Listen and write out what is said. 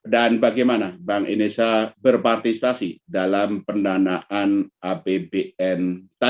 dan bagaimana bank indonesia berpartisipasi dalam pendanaan apbn